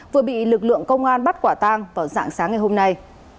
vừa bị lực lượng công an bắt quả tang vào dạng sáng ngày hôm nay